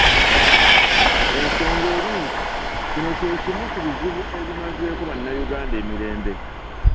Ensonga eri nti kino kye kimu ku bizibu ebimazeeko bannayuganda emirembe